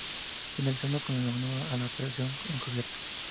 Finalizando con el abandono a la operación encubierta.